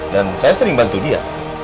saya sering bantu dia